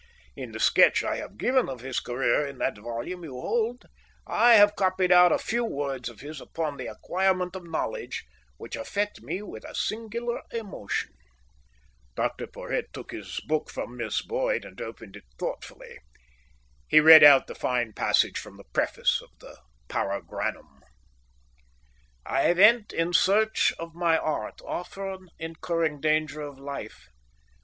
In the sketch I have given of his career in that volume you hold, I have copied out a few words of his upon the acquirement of knowledge which affect me with a singular emotion." Dr Porhoët took his book from Miss Boyd and opened it thoughtfully. He read out the fine passage from the preface of the Paragranum: "I went in search of my art, often incurring danger of life.